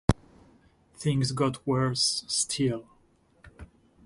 Things got worse still.